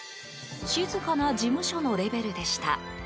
静かな事務所のレベルでした。